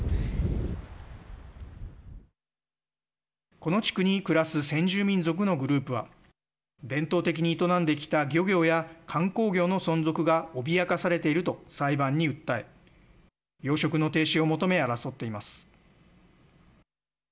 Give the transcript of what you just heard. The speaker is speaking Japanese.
この地区に暮らす先住民族のグループは伝統的に営んできた漁業や観光業の存続が脅かされていると裁判に訴え養殖の停止を求め争っています。